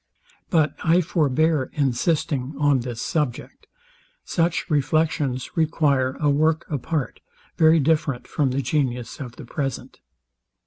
But I forbear insisting on this subject. Such reflections require a work apart, very different from the genius of the present.